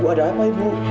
ibu ada apa ibu